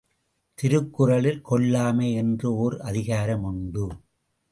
திருக்குறளில், கொல்லாமை என்று ஒர் அதிகார முண்டு.